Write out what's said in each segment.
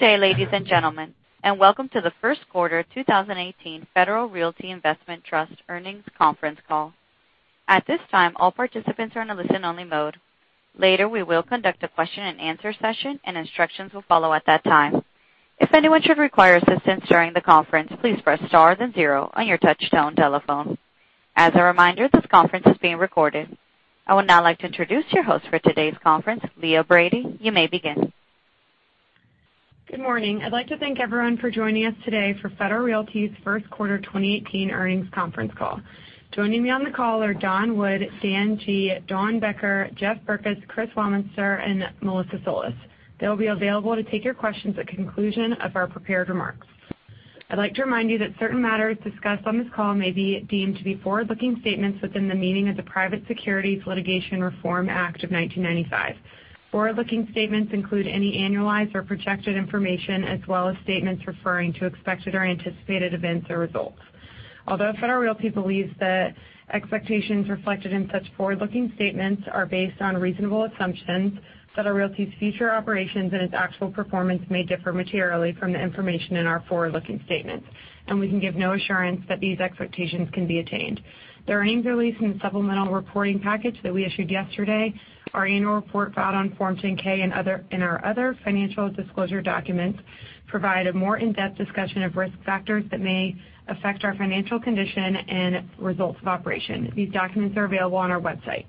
Good day, ladies and gentlemen, welcome to the first quarter 2018 Federal Realty Investment Trust earnings conference call. At this time, all participants are in a listen-only mode. Later, we will conduct a question and answer session, and instructions will follow at that time. If anyone should require assistance during the conference, please press star then zero on your touch-tone telephone. As a reminder, this conference is being recorded. I would now like to introduce your host for today's conference, Leah Brady. You may begin. Good morning. I'd like to thank everyone for joining us today for Federal Realty's first quarter 2018 earnings conference call. Joining me on the call are Don Wood, Dan Guglielmone, Dawn Becker, Jeff Berkes, Chris Weilminster, and Melissa Solis. They'll be available to take your questions at the conclusion of our prepared remarks. I'd like to remind you that certain matters discussed on this call may be deemed to be forward-looking statements within the meaning of the Private Securities Litigation Reform Act of 1995. Forward-looking statements include any annualized or protected information, as well as statements referring to expected or anticipated events or results. Although Federal Realty believes that expectations reflected in such forward-looking statements are based on reasonable assumptions, Federal Realty's future operations and its actual performance may differ materially from the information in our forward-looking statements, we can give no assurance that these expectations can be attained. The earnings release and supplemental reporting package that we issued yesterday, our annual report filed on Form 10-K, and our other financial disclosure documents provide a more in-depth discussion of risk factors that may affect our financial condition and results of operation. These documents are available on our website.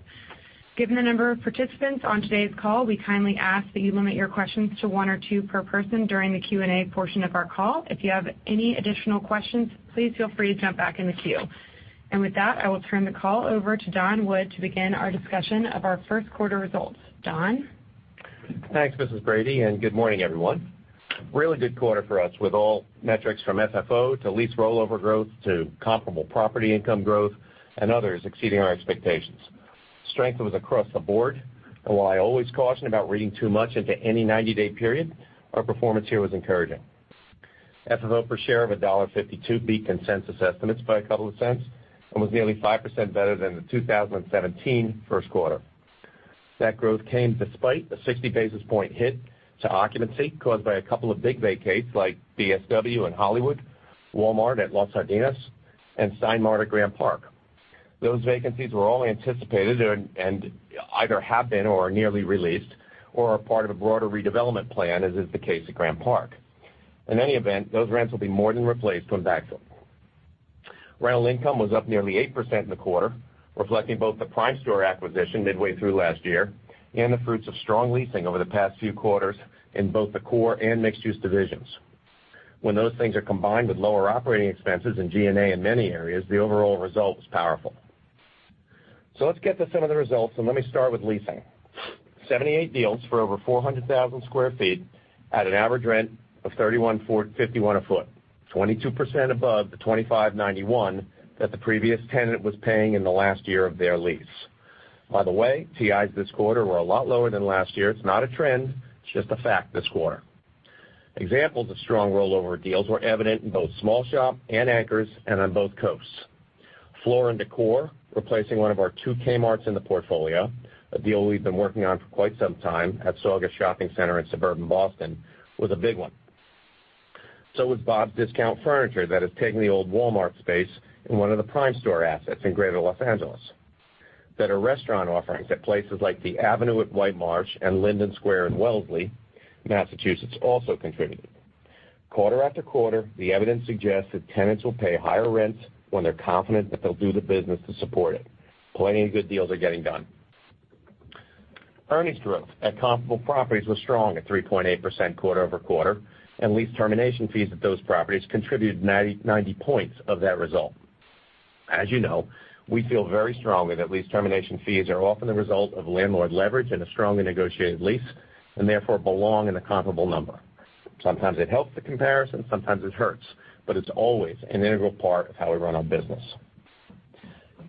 Given the number of participants on today's call, we kindly ask that you limit your questions to one or two per person during the Q&A portion of our call. If you have any additional questions, please feel free to jump back in the queue. With that, I will turn the call over to Don Wood to begin our discussion of our first quarter results. Don? Thanks, Mrs. Brady, good morning, everyone. Really good quarter for us with all metrics from FFO to lease rollover growth to comparable property income growth and others exceeding our expectations. Strength was across the board. While I always caution about reading too much into any 90-day period, our performance here was encouraging. FFO per share of $1.52 beat consensus estimates by $0.02 and was nearly 5% better than the 2017 first quarter. That growth came despite a 60-basis point hit to occupancy caused by a couple of big vacates like DSW in Hollywood, Walmart at Los Jardines, and Stein Mart at Graham Park. Those vacancies were all anticipated and either have been or are nearly released or are part of a broader redevelopment plan, as is the case at Graham Park. In any event, those rents will be more than replaced when backfilled. Rental income was up nearly 8% in the quarter, reflecting both the Primestor acquisition midway through last year and the fruits of strong leasing over the past few quarters in both the core and mixed-use divisions. When those things are combined with lower operating expenses in G&A in many areas, the overall result is powerful. Let's get to some of the results, and let me start with leasing. 78 deals for over 400,000 sq ft at an average rent of $31.51 a sq ft, 22% above the $25.91 that the previous tenant was paying in the last year of their lease. By the way, TIs this quarter were a lot lower than last year. It's not a trend, it's just a fact this quarter. Examples of strong rollover deals were evident in both small shop and anchors and on both coasts. Floor & Decor, replacing one of our two Kmart in the portfolio, a deal we've been working on for quite some time at Saugus Shopping Center in suburban Boston, was a big one. Bob's Discount Furniture that is taking the old Walmart space in one of the Primestor assets in greater Los Angeles also was. Better restaurant offerings at places like The Avenue at White Marsh and Linden Square in Wellesley, Massachusetts, also contributed. Quarter after quarter, the evidence suggests that tenants will pay higher rents when they're confident that they'll do the business to support it. Plenty of good deals are getting done. Earnings growth at comparable properties was strong at 3.8% quarter-over-quarter, and lease termination fees at those properties contributed 90 points of that result. As you know, we feel very strongly that lease termination fees are often the result of landlord leverage in a strongly negotiated lease and therefore belong in a comparable number. Sometimes it helps the comparison, sometimes it hurts, but it's always an integral part of how we run our business.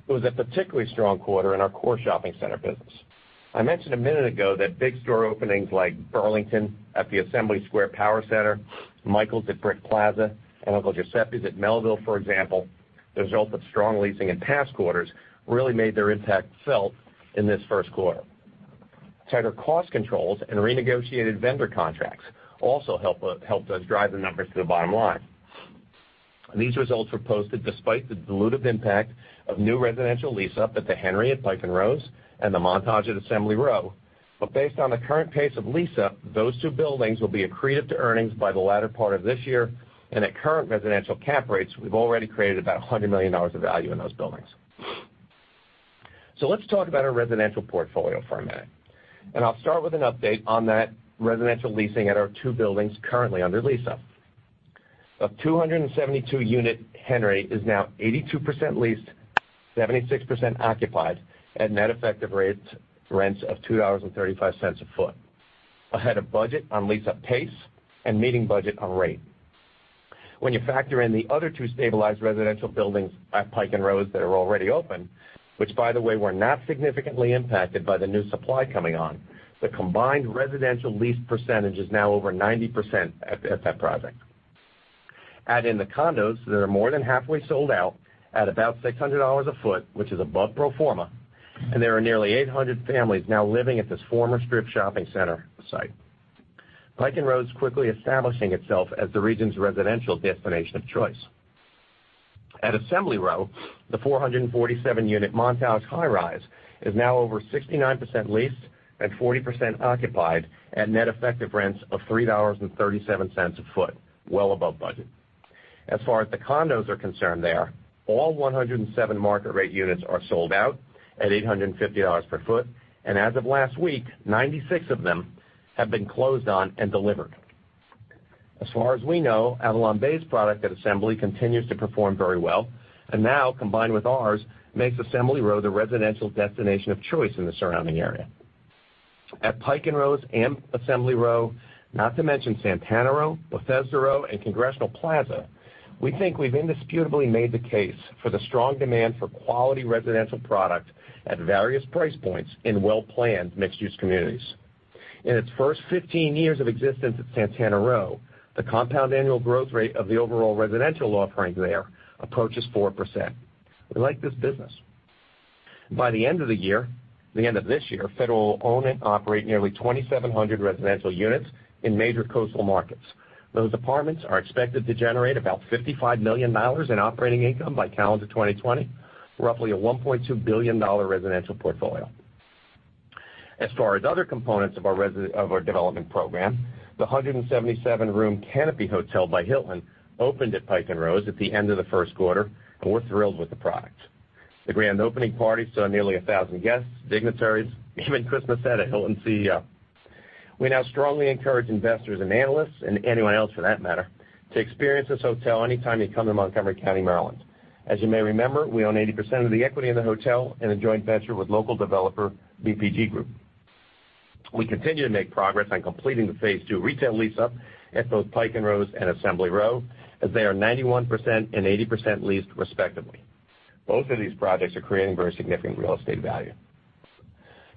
It was a particularly strong quarter in our core shopping center business. I mentioned a minute ago that big store openings like Burlington at the Assembly Square Power Center, Michaels at Brick Plaza, and Uncle Giuseppe's at Melville, for example, the result of strong leasing in past quarters really made their impact felt in this first quarter. Tighter cost controls and renegotiated vendor contracts also helped us drive the numbers to the bottom line. These results were posted despite the dilutive impact of new residential lease-up at The Henry at Pike & Rose and the Montaje at Assembly Row. Based on the current pace of lease-up, those two buildings will be accretive to earnings by the latter part of this year. And at current residential cap rates, we've already created about $100 million of value in those buildings. Let's talk about our residential portfolio for a minute, and I'll start with an update on that residential leasing at our two buildings currently under lease-up. The 272-unit Henry is now 82% leased, 76% occupied at net effective rents of $2.35 a sq ft. Ahead of budget on lease-up pace and meeting budget on rate. When you factor in the other two stabilized residential buildings at Pike & Rose that are already open, which by the way, were not significantly impacted by the new supply coming on, the combined residential lease percentage is now over 90% at that project. Add in the condos that are more than halfway sold out at about $600 a foot, which is above pro forma, and there are nearly 800 families now living at this former strip shopping center site. Pike & Rose is quickly establishing itself as the region's residential destination of choice. At Assembly Row, the 447-unit Montaje high-rise is now over 69% leased and 40% occupied at net effective rents of $3.37 a foot, well above budget. As far as the condos are concerned there, all 107 market rate units are sold out at $850 per foot, and as of last week, 96 of them have been closed on and delivered. As far as we know, AvalonBay's product at Assembly continues to perform very well, and now, combined with ours, makes Assembly Row the residential destination of choice in the surrounding area. At Pike & Rose and Assembly Row, not to mention Santana Row, Bethesda Row, and Congressional Plaza, we think we've indisputably made the case for the strong demand for quality residential product at various price points in well-planned, mixed-use communities. In its first 15 years of existence at Santana Row, the compound annual growth rate of the overall residential offerings there approaches 4%. We like this business. By the end of the year, the end of this year, Federal will own and operate nearly 2,700 residential units in major coastal markets. Those apartments are expected to generate about $55 million in operating income by calendar 2020, roughly a $1.2 billion residential portfolio. As far as other components of our development program, the 177-room Canopy by Hilton opened at Pike & Rose at the end of the first quarter, and we're thrilled with the product. The grand opening party saw nearly 1,000 guests, dignitaries, even Chris Nassetta, Hilton's CEO. We now strongly encourage investors and analysts, and anyone else for that matter, to experience this hotel anytime you come to Montgomery County, Maryland. As you may remember, we own 80% of the equity in the hotel in a joint venture with local developer BPG Group. We continue to make progress on completing the phase 2 retail lease-up at both Pike & Rose and Assembly Row, as they are 91% and 80% leased respectively. Both of these projects are creating very significant real estate value.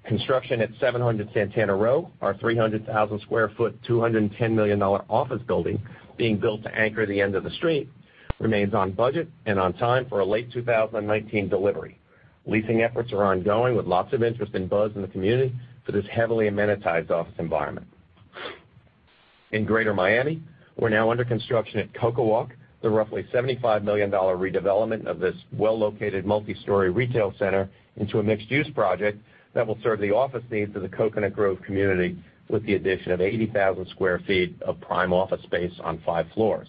Construction at 700 Santana Row, our 300,000 sq ft, $210 million office building being built to anchor the end of the street, remains on budget and on time for a late 2019 delivery. Leasing efforts are ongoing with lots of interest and buzz in the community for this heavily amenitized office environment. In Greater Miami, we're now under construction at CocoWalk, the roughly $75 million redevelopment of this well-located multi-story retail center into a mixed-use project that will serve the office needs of the Coconut Grove community with the addition of 80,000 sq ft of prime office space on five floors.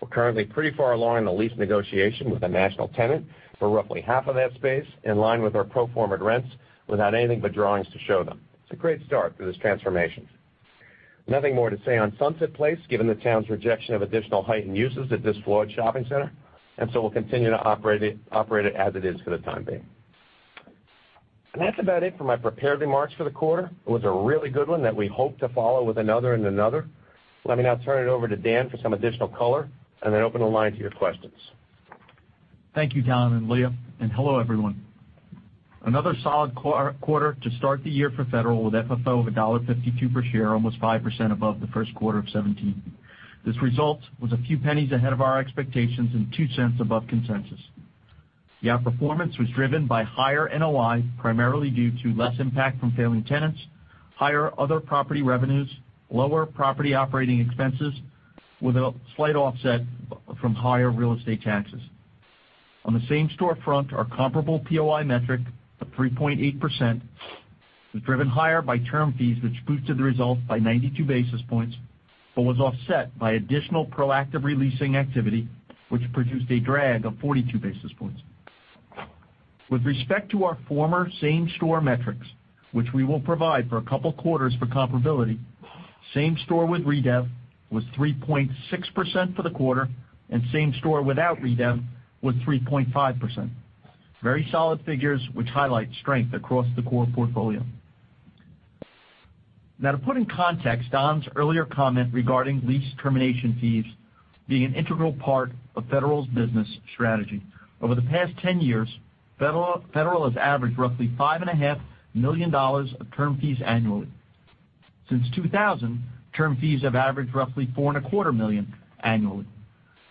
We're currently pretty far along in the lease negotiation with a national tenant for roughly half of that space, in line with our pro forma rents without anything but drawings to show them. It's a great start for this transformation. Nothing more to say on Sunset Place, given the town's rejection of additional height and uses at this flawed shopping center. We'll continue to operate it as it is for the time being. That's about it for my prepared remarks for the quarter. It was a really good one that we hope to follow with another and another. Let me now turn it over to Dan for some additional color and then open the line to your questions. Thank you, Don and Leah, and hello, everyone. Another solid quarter to start the year for Federal with FFO of $1.52 per share, almost 5% above the first quarter of 2017. This result was a few pennies ahead of our expectations and $0.02 above consensus. The outperformance was driven by higher NOI, primarily due to less impact from failing tenants, higher other property revenues, lower property operating expenses with a slight offset from higher real estate taxes. On the same storefront, our comparable POI metric of 3.8% was driven higher by term fees, which boosted the result by 92 basis points, but was offset by additional proactive leasing activity, which produced a drag of 42 basis points. With respect to our former same store metrics, which we will provide for a couple of quarters for comparability, same store with redev was 3.6% for the quarter, and same store without redev was 3.5%. Very solid figures, which highlight strength across the core portfolio. Now, to put in context Don's earlier comment regarding lease termination fees being an integral part of Federal's business strategy. Over the past 10 years, Federal has averaged roughly $5.5 million of term fees annually. Since 2000, term fees have averaged roughly four and a quarter million annually.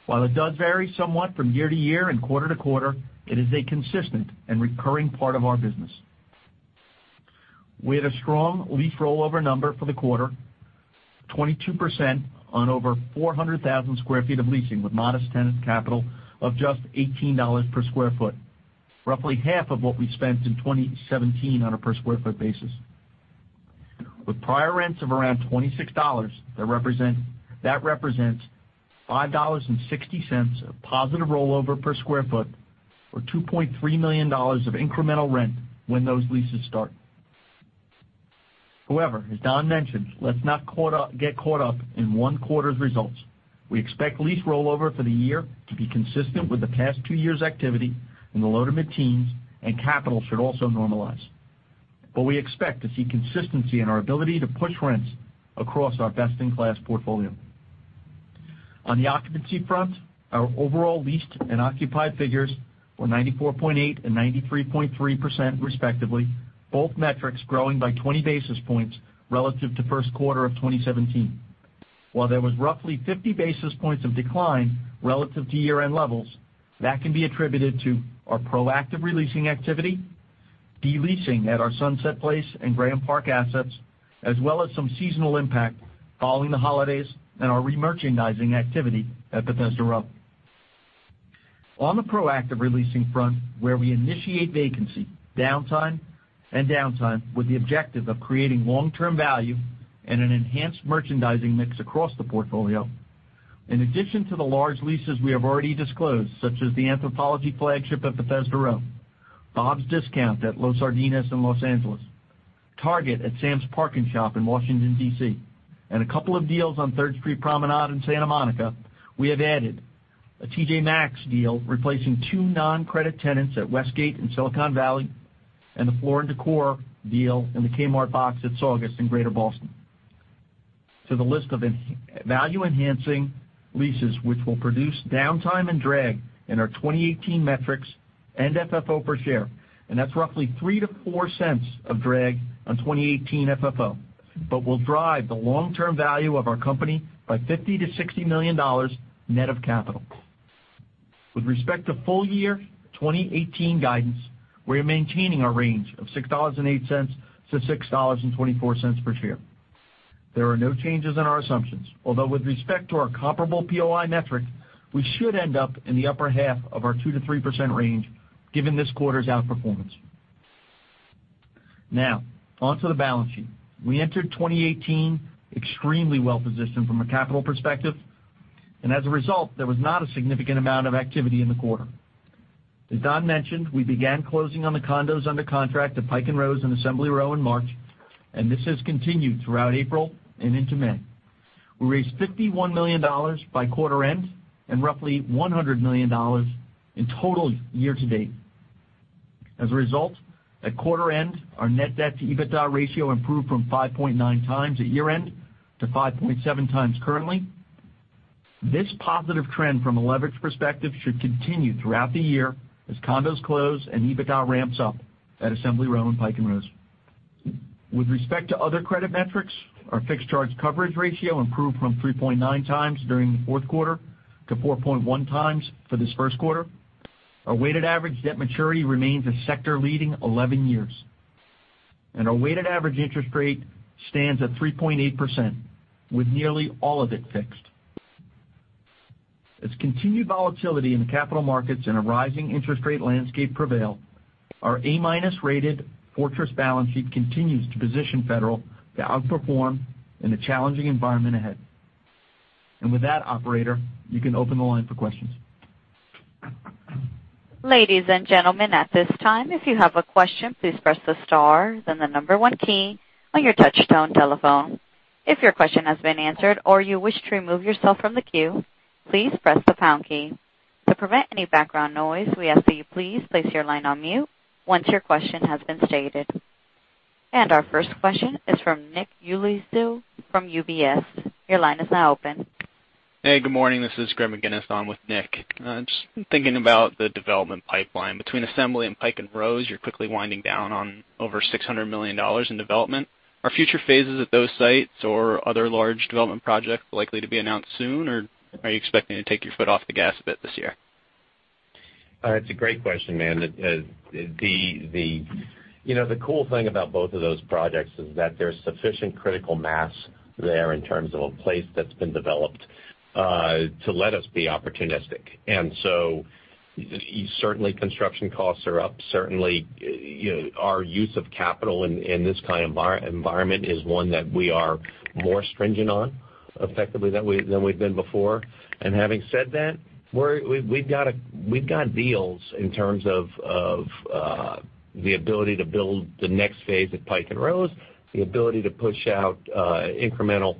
While it does vary somewhat from year to year and quarter to quarter, it is a consistent and recurring part of our business. We had a strong lease rollover number for the quarter, 22% on over 400,000 square feet of leasing with modest tenant capital of just $18 per square foot, roughly half of what we spent in 2017 on a per square foot basis. With prior rents of around $26, that represents $5.60 of positive rollover per square foot or $2.3 million of incremental rent when those leases start. However, as Don mentioned, let's not get caught up in one quarter's results. We expect lease rollover for the year to be consistent with the past two years' activity in the low to mid teens, and capital should also normalize. We expect to see consistency in our ability to push rents across our best-in-class portfolio. On the occupancy front, our overall leased and occupied figures were 94.8 and 93.3%, respectively, both metrics growing by 20 basis points relative to first quarter of 2017. While there was roughly 50 basis points of decline relative to year-end levels, that can be attributed to our proactive releasing activity, de-leasing at our Sunset Place and Graham Park assets, as well as some seasonal impact following the holidays and our remerchandising activity at Bethesda Row. On the proactive releasing front, where we initiate vacancy, downtime and downtime with the objective of creating long-term value and an enhanced merchandising mix across the portfolio. In addition to the large leases we have already disclosed, such as the Anthropologie flagship at Bethesda Row, Bob's Discount at Los Jardines in Los Angeles, Target at Sam's Park & Shop in Washington, D.C., and a couple of deals on 3rd Street Promenade in Santa Monica, we have added a TJ Maxx deal replacing two non-credit tenants at Westgate in Silicon Valley, and the Floor & Decor deal in the Kmart box at Saugus in Greater Boston. To the list of value-enhancing leases which will produce downtime and drag in our 2018 metrics and FFO per share, and that's roughly $0.03 to $0.04 of drag on 2018 FFO, but will drive the long-term value of our company by $50 million-$60 million net of capital. With respect to full year 2018 guidance, we're maintaining our range of $6.08 to $6.24 per share. There are no changes in our assumptions, although with respect to our comparable POI metric, we should end up in the upper half of our 2%-3% range given this quarter's outperformance. Now, onto the balance sheet. We entered 2018 extremely well-positioned from a capital perspective, and as a result, there was not a significant amount of activity in the quarter. As Don mentioned, we began closing on the condos under contract at Pike & Rose and Assembly Row in March. This has continued throughout April and into May. We raised $51 million by quarter end and roughly $100 million in total year to date. As a result, at quarter end, our net debt to EBITDA ratio improved from 5.9 times at year-end to 5.7 times currently. This positive trend from a leverage perspective should continue throughout the year as condos close and EBITDA ramps up at Assembly Row and Pike & Rose. With respect to other credit metrics, our fixed charge coverage ratio improved from 3.9 times during the fourth quarter to 4.1 times for this first quarter. Our weighted average debt maturity remains a sector-leading 11 years, and our weighted average interest rate stands at 3.8%, with nearly all of it fixed. As continued volatility in the capital markets and a rising interest rate landscape prevail, our A-minus-rated fortress balance sheet continues to position Federal to outperform in the challenging environment ahead. With that, operator, you can open the line for questions. Ladies and gentlemen, at this time, if you have a question, please press the star then the number one key on your touchtone telephone. If your question has been answered or you wish to remove yourself from the queue, please press the pound key. To prevent any background noise, we ask that you please place your line on mute once your question has been stated. Our first question is from Nick Yulico from UBS. Your line is now open. Hey, good morning. This is Greg McGinniss on with Nick. Just been thinking about the development pipeline. Between Assembly and Pike & Rose, you're quickly winding down on over $600 million in development. Are future phases at those sites or other large development projects likely to be announced soon, or are you expecting to take your foot off the gas a bit this year? It's a great question, man. The cool thing about both of those projects is that there's sufficient critical mass there in terms of a place that's been developed to let us be opportunistic. Certainly construction costs are up. Certainly our use of capital in this kind of environment is one that we are more stringent on effectively than we've been before. Having said that, we've got deals in terms of the ability to build the next phase at Pike & Rose, the ability to push out incremental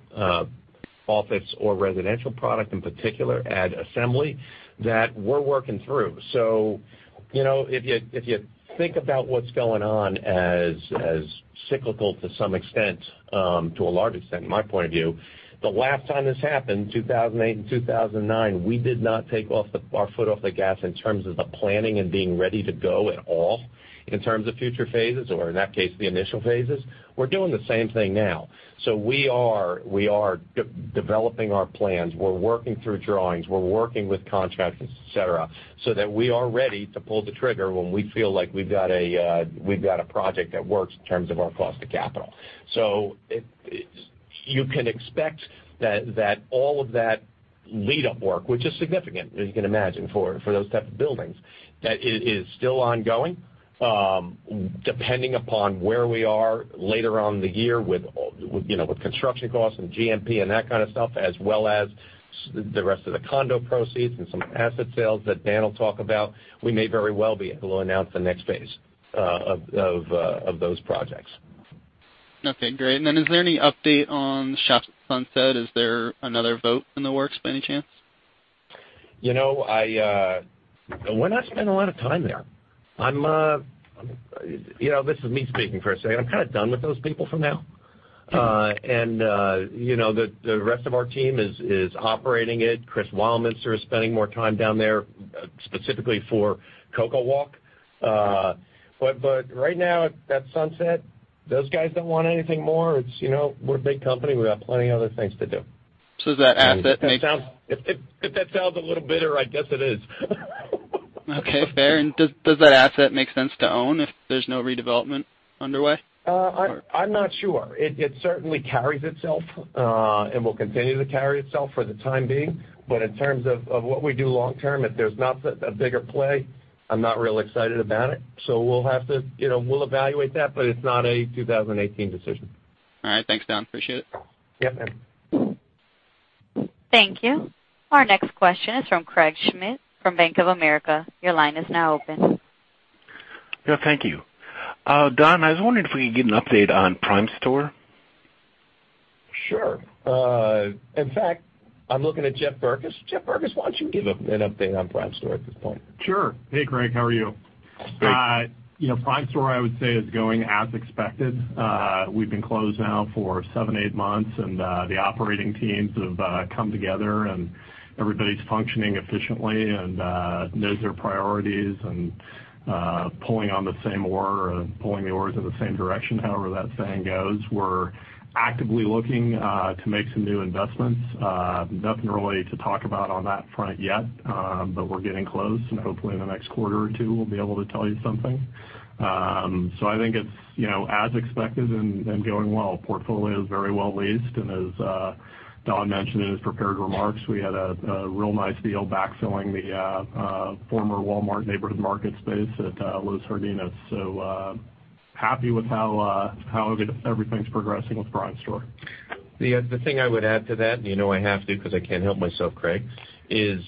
office or residential product, in particular at Assembly, that we're working through. If you think about what's going on as cyclical to some extent, to a large extent in my point of view, the last time this happened, 2008 and 2009, we did not take our foot off the gas in terms of the planning and being ready to go at all in terms of future phases, or in that case, the initial phases. We're doing the same thing now. We are developing our plans. We're working through drawings. We're working with contractors, et cetera, that we are ready to pull the trigger when we feel like we've got a project that works in terms of our cost to capital. You can expect that all of that lead-up work, which is significant, as you can imagine, for those types of buildings, that it is still ongoing. Depending upon where we are later on in the year with construction costs and GMP and that kind of stuff, as well as the rest of the condo proceeds and some asset sales that Dan will talk about, we may very well be able to announce the next phase of those projects. Okay, great. Then is there any update on Shops at Sunset? Is there another vote in the works by any chance? We're not spending a lot of time there. This is me speaking for a second. I'm kind of done with those people for now The rest of our team is operating it. Chris Weilminster is spending more time down there specifically for CocoWalk. Right now, at Sunset, those guys don't want anything more. We're a big company. We've got plenty of other things to do. Does that asset If that sounds a little bitter, I guess it is. Okay, fair. Does that asset make sense to own if there's no redevelopment underway? I'm not sure. It certainly carries itself, and will continue to carry itself for the time being. In terms of what we do long-term, if there's not a bigger play, I'm not real excited about it. We'll evaluate that, but it's not a 2018 decision. All right. Thanks, Don. Appreciate it. Yeah, man. Thank you. Our next question is from Craig Schmidt from Bank of America. Your line is now open. Yeah, thank you. Don, I was wondering if we could get an update on Primestor. Sure. In fact, I'm looking at Jeff Berkes. Jeff Berkes, why don't you give an update on Primestor at this point? Sure. Hey, Craig, how are you? Great. Primestor, I would say, is going as expected. We've been closed now for seven, eight months, the operating teams have come together, and everybody's functioning efficiently and knows their priorities and pulling on the same oar, or pulling the oars in the same direction. However, that saying goes. We're actively looking to make some new investments. Nothing really to talk about on that front yet. We're getting close, and hopefully in the next quarter or two, we'll be able to tell you something. I think it's as expected and going well. Portfolio is very well leased, and as Don mentioned in his prepared remarks, we had a real nice deal backfilling the former Walmart Neighborhood Market space at Los Jardines. Happy with how everything's progressing with Primestor. The thing I would add to that, you know I have to because I can't help myself, Craig, is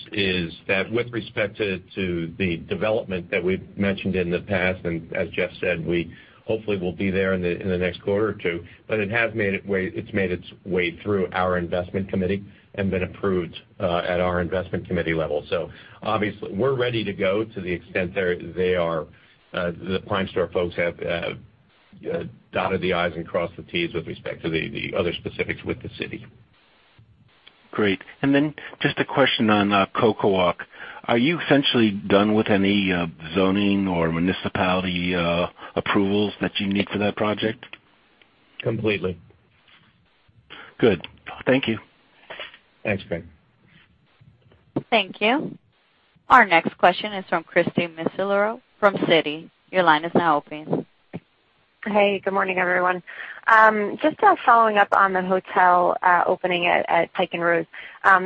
that with respect to the development that we've mentioned in the past, as Jeff said, we hopefully will be there in the next quarter or two. It's made its way through our investment committee and been approved at our investment committee level. Obviously, we're ready to go to the extent the Primestor folks have dotted the I's and crossed the T's with respect to the other specifics with the city. Great. Just a question on CocoWalk. Are you essentially done with any zoning or municipality approvals that you need for that project? Completely. Good. Thank you. Thanks, Craig. Thank you. Our next question is from Christy McElroy from Citi. Your line is now open. Hey, good morning, everyone. Just following up on the hotel opening at Tysons Road.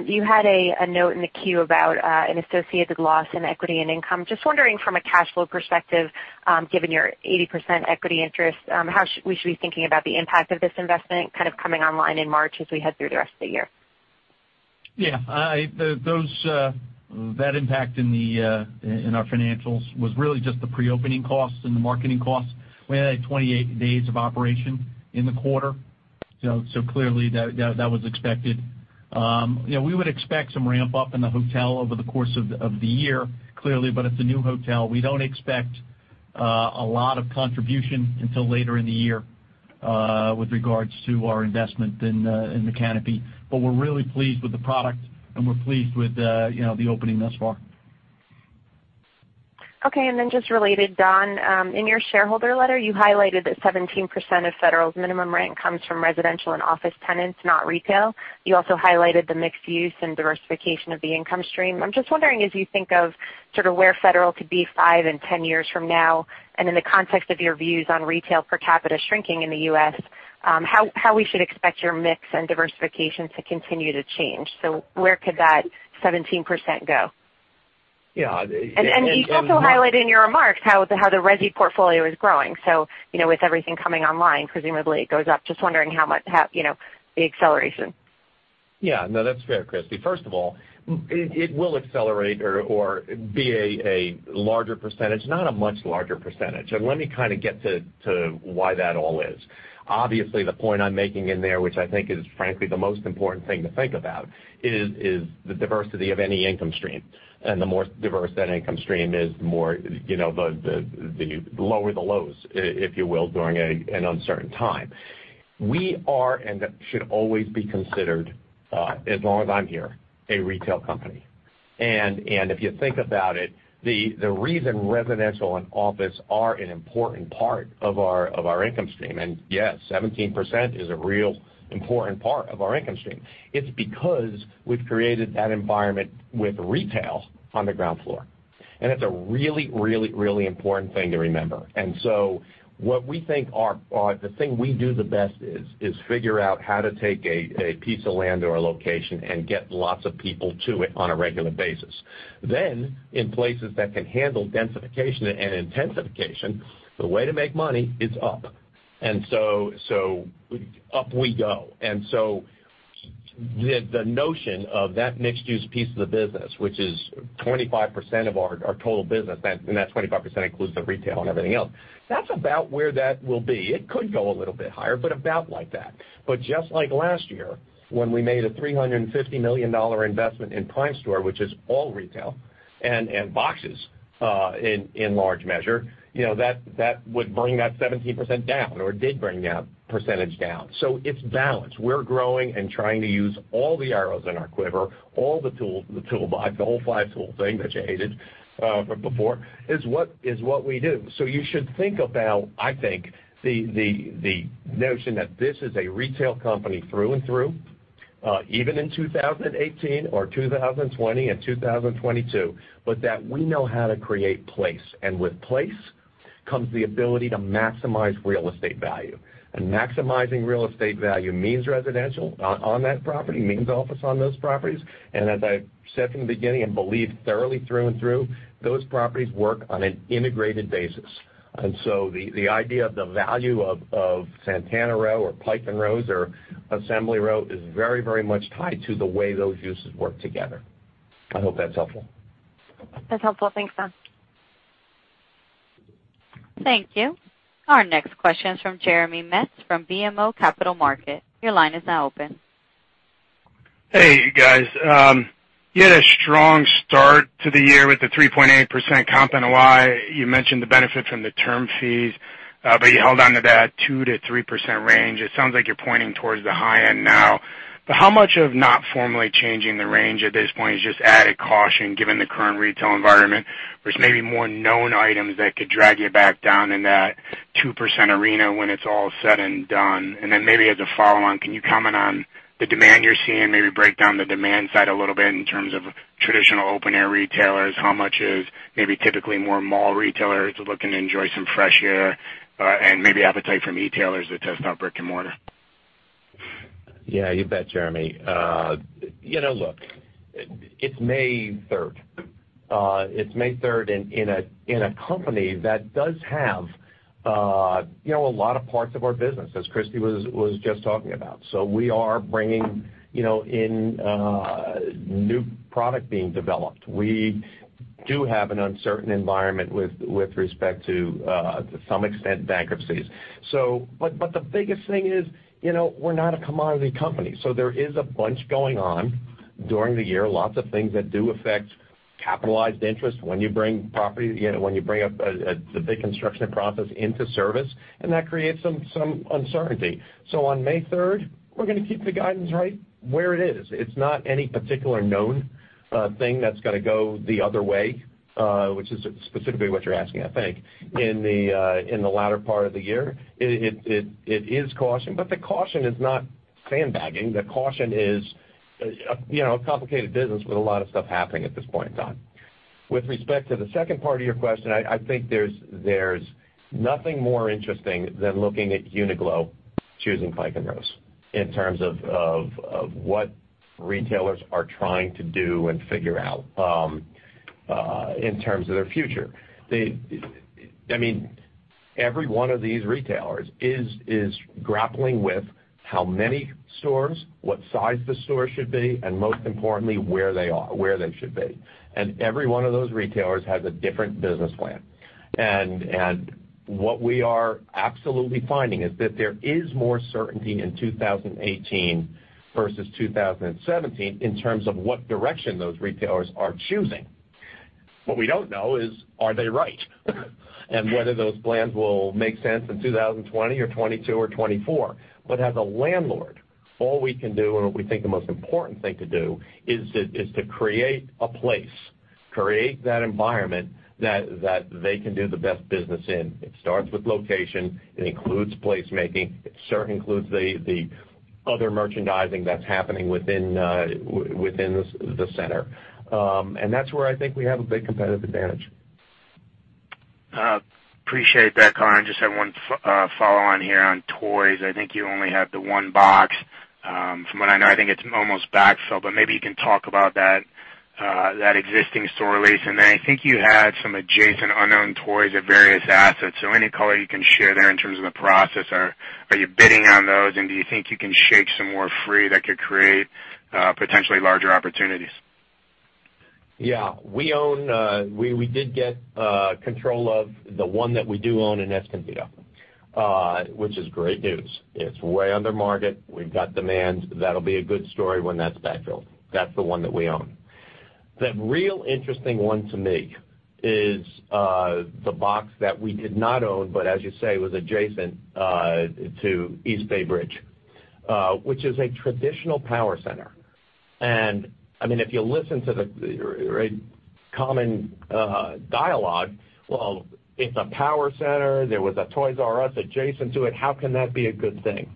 You had a note in the queue about an associated loss in equity and income. Just wondering from a cash flow perspective, given your 80% equity interest, how we should be thinking about the impact of this investment kind of coming online in March as we head through the rest of the year? Yeah. That impact in our financials was really just the pre-opening costs and the marketing costs. We had, like, 28 days of operation in the quarter. Clearly that was expected. We would expect some ramp-up in the hotel over the course of the year, clearly. It's a new hotel. We don't expect a lot of contribution until later in the year with regards to our investment in the Canopy, but we're really pleased with the product, and we're pleased with the opening thus far. Okay, just related, Don, in your shareholder letter, you highlighted that 17% of Federal's minimum rent comes from residential and office tenants, not retail. You also highlighted the mixed-use and diversification of the income stream. I'm just wondering, as you think of sort of where Federal could be five and 10 years from now, and in the context of your views on retail per capita shrinking in the U.S., how we should expect your mix and diversification to continue to change. Where could that 17% go? Yeah- You also highlighted in your remarks how the resi portfolio is growing. With everything coming online, presumably it goes up. Just wondering the acceleration. Yeah. No, that's fair, Christy. First of all, it will accelerate or be a larger percentage, not a much larger percentage. Let me kind of get to why that all is. Obviously, the point I'm making in there, which I think is frankly the most important thing to think about, is the diversity of any income stream. The more diverse that income stream is, the lower the lows, if you will, during an uncertain time. We are, and should always be considered, as long as I'm here, a retail company. If you think about it, the reason residential and office are an important part of our income stream, and yeah, 17% is a real important part of our income stream. It's because we've created that environment with retail on the ground floor, it's a really important thing to remember. The thing we do the best is figure out how to take a piece of land or a location and get lots of people to it on a regular basis. In places that can handle densification and intensification, the way to make money is up. Up we go. The notion of that mixed-use piece of the business, which is 25% of our total business, and that 25% includes the retail and everything else. That's about where that will be. It could go a little bit higher, but about like that. Just like last year, when we made a $350 million investment in Primestor, which is all retail and boxes, in large measure, that would bring that 17% down or did bring that percentage down. It's balanced. We're growing and trying to use all the arrows in our quiver, all the tools in the toolbox, the whole five tool thing that you hated before, is what we do. You should think about, I think, the notion that this is a retail company through and through, even in 2018 or 2020 and 2022, but that we know how to create place. With place comes the ability to maximize real estate value. Maximizing real estate value means residential on that property, means office on those properties. As I've said from the beginning and believe thoroughly through and through, those properties work on an integrated basis. The idea of the value of Santana Row or Pike & Rose or Assembly Row is very much tied to the way those uses work together. I hope that's helpful. That's helpful. Thanks, Don. Thank you. Our next question is from Jeremy Metz from BMO Capital Markets. Your line is now open. Hey, you guys. You had a strong start to the year with the 3.8% comp NOI. You mentioned the benefit from the term fees, but you held on to that 2%-3% range. It sounds like you're pointing towards the high end now, but how much of not formally changing the range at this point is just added caution given the current retail environment? There's maybe more known items that could drag you back down in that 2% arena when it's all said and done. Then maybe as a follow-on, can you comment on the demand you're seeing? Maybe break down the demand side a little bit in terms of traditional open-air retailers. How much is maybe typically more mall retailers looking to enjoy some fresh air, and maybe appetite from e-tailers that test out brick and mortar? Yeah, you bet, Jeremy. Look, it's May 3rd. It's May 3rd in a company that does have a lot of parts of our business, as Christy was just talking about. We are bringing in new product being developed. We do have an uncertain environment with respect to some extent, bankruptcies. The biggest thing is, we're not a commodity company. There is a bunch going on during the year. Lots of things that do affect capitalized interest when you bring a big construction process into service, that creates some uncertainty. On May 3rd, we're going to keep the guidance right where it is. It's not any particular known thing that's going to go the other way, which is specifically what you're asking, I think. In the latter part of the year, it is caution, but the caution is not sandbagging. The caution is a complicated business with a lot of stuff happening at this point in time. With respect to the second part of your question, I think there's nothing more interesting than looking at Uniqlo choosing Pike & Rose in terms of what retailers are trying to do and figure out in terms of their future. Every one of these retailers is grappling with how many stores, what size the store should be, and most importantly, where they should be. Every one of those retailers has a different business plan. What we are absolutely finding is that there is more certainty in 2018 versus 2017 in terms of what direction those retailers are choosing. What we don't know is, are they right? Whether those plans will make sense in 2020 or 2022 or 2024. As a landlord, all we can do, and what we think the most important thing to do, is to create a place, create that environment that they can do the best business in. It starts with location. It includes placemaking. It sure includes the other merchandising that's happening within the center. That's where I think we have a big competitive advantage. Appreciate that, Don. Just have one follow on here on Toys. I think you only have the one box. From what I know, I think it's almost backfill, but maybe you can talk about that existing store lease. Then I think you had some adjacent unknown Toys at various assets. Any color you can share there in terms of the process, or are you bidding on those, and do you think you can shake some more free that could create potentially larger opportunities? Yeah. We did get control of the one that we do own in Encinitas, which is great news. It's way under market. We've got demand. That'll be a good story when that's backfill. That's the one that we own. The real interesting one to me is the box that we did not own, but as you say, was adjacent to East Bay Bridge, which is a traditional power center. If you listen to the common dialogue, well, it's a power center. There was a Toys R Us adjacent to it. How can that be a good thing?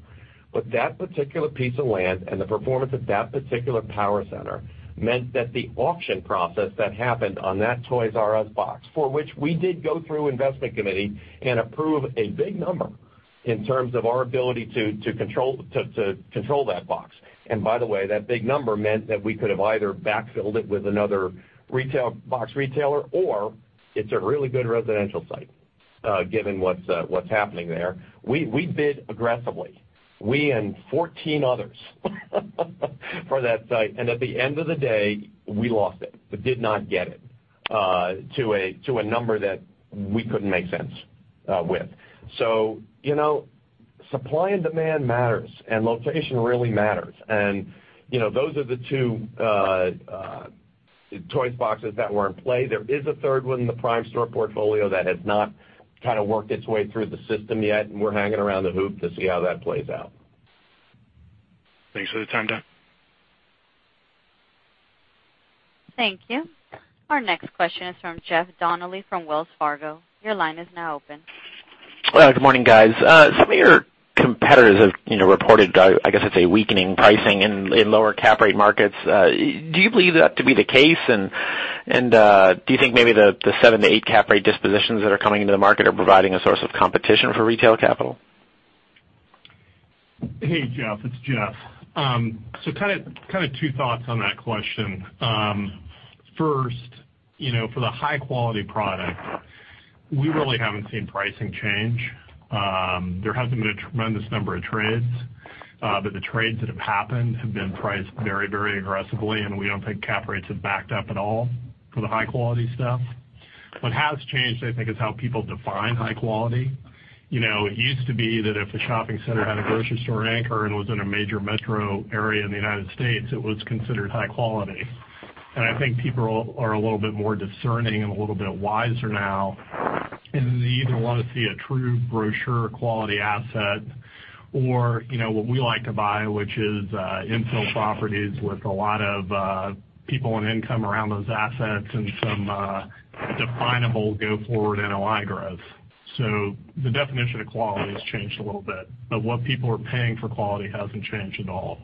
That particular piece of land and the performance of that particular power center meant that the auction process that happened on that Toys R Us box, for which we did go through investment committee and approve a big number in terms of our ability to control that box. By the way, that big number meant that we could have either backfilled it with another box retailer, or it's a really good residential site. Given what's happening there. We bid aggressively, we and 14 others for that site, and at the end of the day, we lost it, but did not get it to a number that we couldn't make sense with. Supply and demand matters, and location really matters. Those are the two choice boxes that were in play. There is a third one in the Primestor portfolio that has not kind of worked its way through the system yet, and we're hanging around the hoop to see how that plays out. Thanks for the time, Don. Thank you. Our next question is from Jeff Donnelly from Wells Fargo. Your line is now open. Good morning, guys. Some of your competitors have reported, I guess I'd say, weakening pricing in lower cap rate markets. Do you believe that to be the case, and do you think maybe the 7-8 cap rate dispositions that are coming into the market are providing a source of competition for retail capital? Hey, Jeff, it's Jeff. Kind of two thoughts on that question. First, for the high-quality product, we really haven't seen pricing change. There hasn't been a tremendous number of trades. The trades that have happened have been priced very aggressively, and we don't think cap rates have backed up at all for the high-quality stuff. What has changed, I think, is how people define high quality. It used to be that if a shopping center had a grocery store anchor and was in a major metro area in the U.S., it was considered high quality. I think people are a little bit more discerning and a little bit wiser now, and they either want to see a true grocer quality asset or what we like to buy, which is infill properties with a lot of people and income around those assets and some definable go-forward NOI growth. The definition of quality has changed a little bit, but what people are paying for quality hasn't changed at all.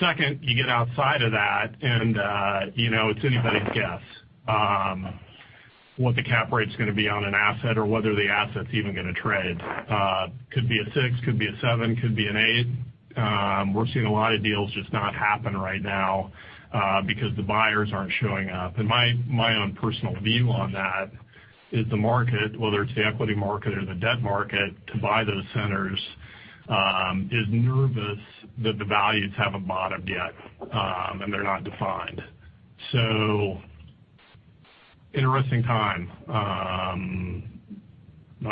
Second, you get outside of that, and it's anybody's guess what the cap rate's going to be on an asset or whether the asset's even going to trade. Could be a six, could be a seven, could be an eight. We're seeing a lot of deals just not happen right now because the buyers aren't showing up. My own personal view on that is the market, whether it's the equity market or the debt market, to buy those centers, is nervous that the values haven't bottomed yet, and they're not defined. Interesting time. I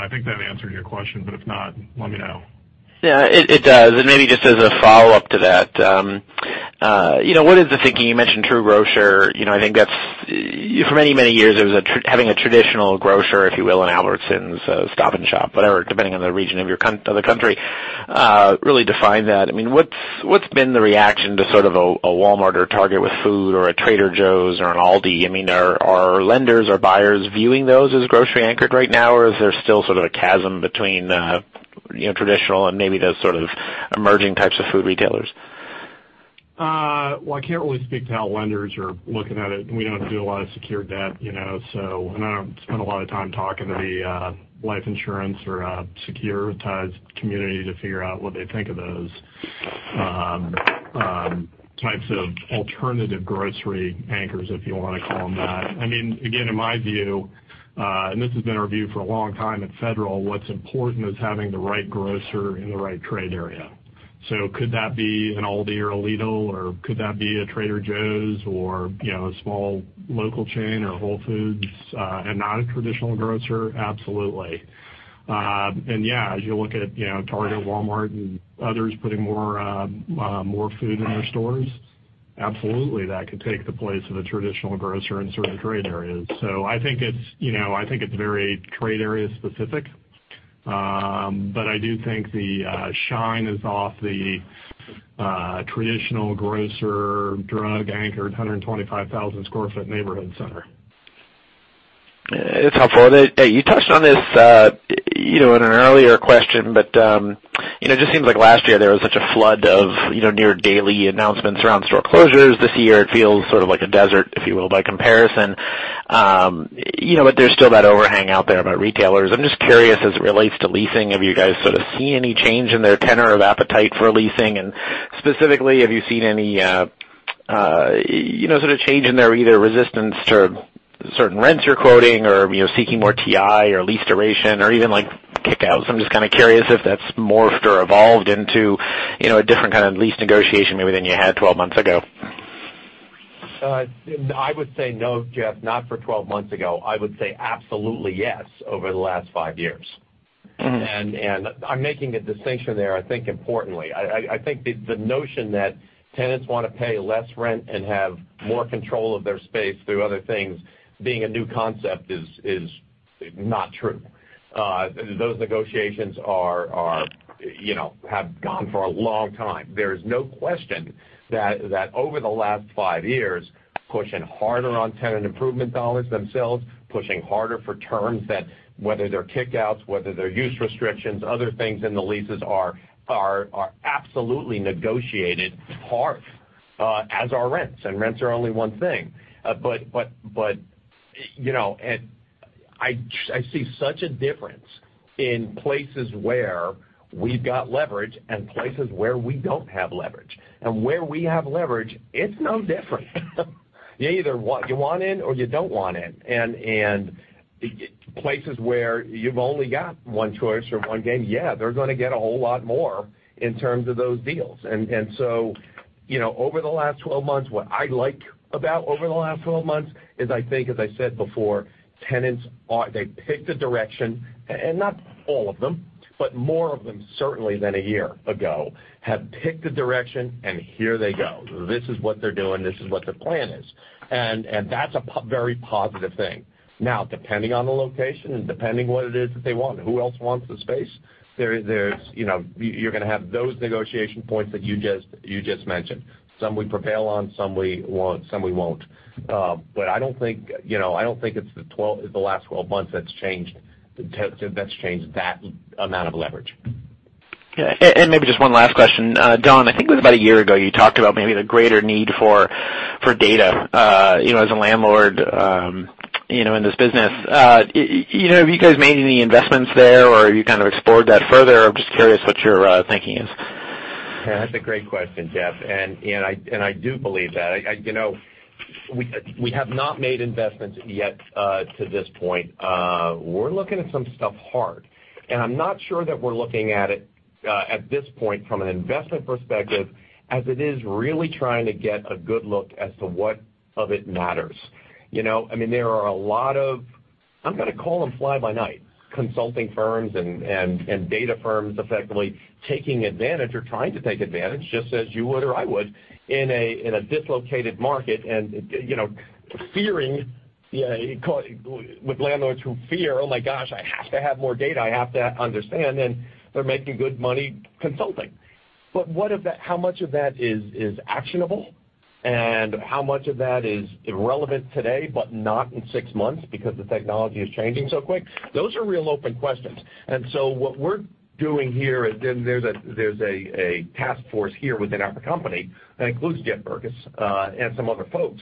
think that answered your question, but if not, let me know. Yeah, it does. Maybe just as a follow-up to that, what is the thinking? You mentioned true grocer. I think that's for many years, it was having a traditional grocer, if you will, an Albertsons, a Stop & Shop, whatever, depending on the region of the country, really defined that. What's been the reaction to sort of a Walmart or Target with food or a Trader Joe's or an Aldi? Are lenders or buyers viewing those as grocery-anchored right now, or is there still sort of a chasm between traditional and maybe those sort of emerging types of food retailers? Well, I can't really speak to how lenders are looking at it. We don't do a lot of secured debt. I don't spend a lot of time talking to the life insurance or securitized community to figure out what they think of those types of alternative grocery anchors, if you want to call them that. Again, in my view, and this has been our view for a long time at Federal, what's important is having the right grocer in the right trade area. Could that be an Aldi or a Lidl, or could that be a Trader Joe's or a small local chain or Whole Foods, and not a traditional grocer? Absolutely. As you look at Target, Walmart, and others putting more food in their stores, absolutely that could take the place of a traditional grocer in certain trade areas. I think it's very trade area specific. I do think the shine is off the traditional grocer, drug anchored, 125,000 sq ft neighborhood center. It's helpful. You touched on this in an earlier question, but it just seems like last year there was such a flood of near-daily announcements around store closures. This year, it feels sort of like a desert, if you will, by comparison. There's still that overhang out there about retailers. I'm just curious, as it relates to leasing, have you guys sort of seen any change in their tenor of appetite for leasing? And specifically, have you seen any sort of change in their either resistance to certain rents you're quoting or seeking more TI or lease duration or even, like, kick-outs? I'm just kind of curious if that's morphed or evolved into a different kind of lease negotiation maybe than you had 12 months ago. I would say no, Jeff, not for 12 months ago. I would say absolutely yes, over the last five years. I'm making a distinction there, I think importantly. I think the notion that tenants want to pay less rent and have more control of their space through other things being a new concept is not true. Those negotiations have gone for a long time. There is no question that over the last five years, pushing harder on tenant improvement dollars themselves, pushing harder for terms that whether they're kick-outs, whether they're use restrictions, other things in the leases are absolutely negotiated hard, as are rents, and rents are only one thing. I see such a difference in places where we've got leverage and places where we don't have leverage. Where we have leverage, it's no different. You either want in or you don't want in. The places where you've only got one choice or one game, yeah, they're going to get a whole lot more in terms of those deals. Over the last 12 months, what I like about over the last 12 months is I think, as I said before, tenants, they've picked a direction. Not all of them, but more of them certainly than a year ago, have picked a direction, and here they go. This is what they're doing. This is what the plan is. That's a very positive thing. Now, depending on the location and depending what it is that they want, who else wants the space? You're going to have those negotiation points that you just mentioned. Some we prevail on, some we won't. I don't think it's the last 12 months that's changed that amount of leverage. Okay. Maybe just one last question. Don, I think it was about a year ago, you talked about maybe the greater need for data, as a landlord, in this business. Have you guys made any investments there, or you kind of explored that further? I'm just curious what your thinking is. Yeah, that's a great question, Jeff. I do believe that. We have not made investments yet to this point. We're looking at some stuff hard. I'm not sure that we're looking at it, at this point, from an investment perspective, as it is really trying to get a good look as to what of it matters. There are a lot of, I'm going to call them fly-by-night consulting firms and data firms effectively taking advantage or trying to take advantage, just as you would or I would, in a dislocated market and with landlords who fear, "Oh my gosh, I have to have more data. I have to understand." They're making good money consulting. How much of that is actionable and how much of that is irrelevant today but not in six months because the technology is changing so quick? Those are real open questions. What we're doing here, there's a task force here within our company that includes Jeff Berkes, and some other folks.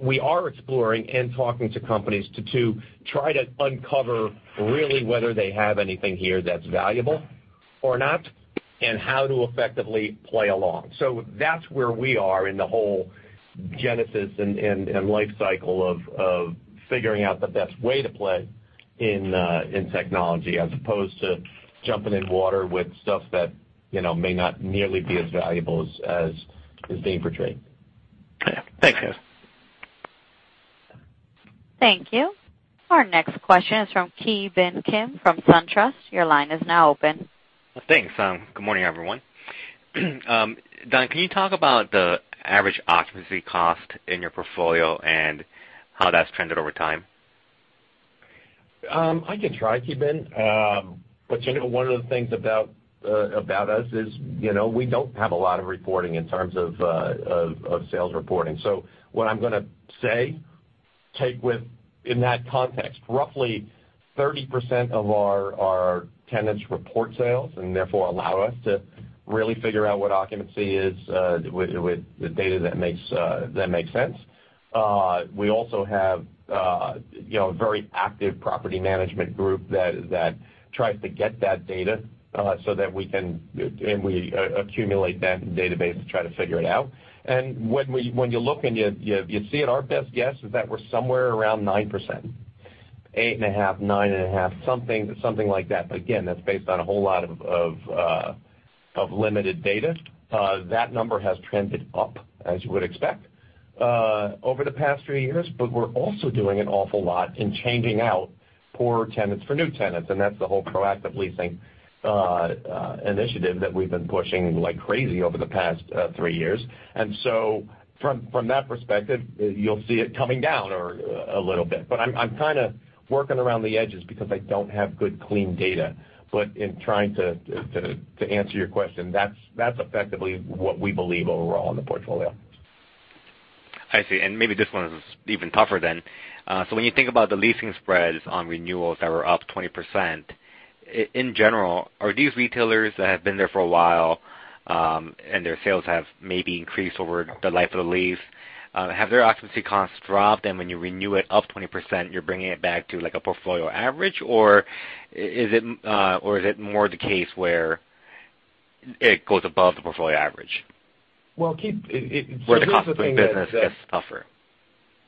We are exploring and talking to companies to try to uncover really whether they have anything here that's valuable or not, and how to effectively play along. That's where we are in the whole genesis and life cycle of figuring out the best way to play in technology as opposed to jumping in water with stuff that may not nearly be as valuable as is being portrayed. Okay. Thanks, guys. Thank you. Our next question is from Ki Bin Kim from SunTrust. Your line is now open. Thanks. Good morning, everyone. Don, can you talk about the average occupancy cost in your portfolio and how that's trended over time? I can try, Ki Bin. One of the things about us is, we don't have a lot of reporting in terms of sales reporting. What I'm going to say, take within that context. Roughly 30% of our tenants report sales and therefore allow us to really figure out what occupancy is, with the data that makes sense. We also have a very active property management group that tries to get that data, and we accumulate that database to try to figure it out. When you look and you see it, our best guess is that we're somewhere around 9%, 8.5%, 9.5%, something like that. Again, that's based on a whole lot of limited data. That number has trended up as you would expect, over the past three years. We're also doing an awful lot in changing out poor tenants for new tenants, and that's the whole proactive leasing initiative that we've been pushing like crazy over the past three years. From that perspective, you'll see it coming down or a little bit. I'm kind of working around the edges because I don't have good clean data. In trying to answer your question, that's effectively what we believe overall in the portfolio. I see. Maybe this one is even tougher then. When you think about the leasing spreads on renewals that were up 20%, in general, are these retailers that have been there for a while, and their sales have maybe increased over the life of the lease? Have their occupancy costs dropped, and when you renew it up 20%, you're bringing it back to like a portfolio average, or is it more the case where it goes above the portfolio average? Well, Where the cost of doing business gets tougher.